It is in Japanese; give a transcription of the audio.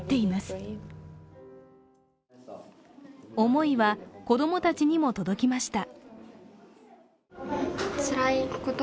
思いは子供たちにも届きました。